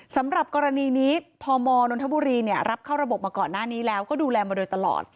สำหรับกรณีนี้พมนนทบุรีรับเข้าระบบมาก่อนหน้านี้แล้วก็ดูแลมาโดยตลอด